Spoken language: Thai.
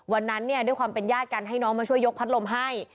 วันนั้นเนี่ยด้วยความเป็นญาติกันให้น้องมาช่วยยกพัดลมให้